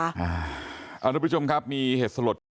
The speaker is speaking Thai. อ่าเอาลูกผู้ชมครับมีเหตุสลด